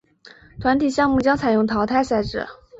团体项目将采用淘汰赛制。